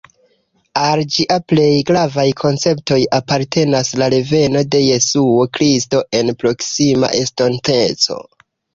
Al ĝia plej gravaj konceptoj apartenas la reveno de Jesuo Kristo en proksima estonteco.